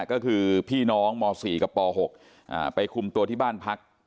ก็คือพี่น้องม๔กับป๖ไปคุมตัวที่บ้านพัก